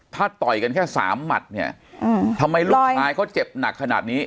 ถ้าต่อยกันแค่สามหมัดเนี่ยทำไมลูกชายเขาเจ็บหนักขนาดนี้